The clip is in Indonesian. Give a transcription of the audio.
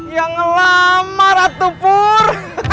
yang ngelamar atuh pur